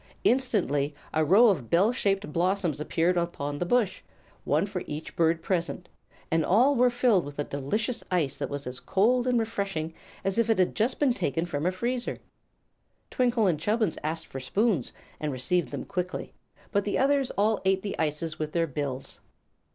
Instantly a row of bell shaped blossoms appeared upon the golden bush, one for each bird present, and all were filled with a delicious ice that was as cold and refreshing as if it had just been taken from a freezer. Twinkle and Chubbins asked for spoons, and received them quickly; but the others all ate the ices with their bills.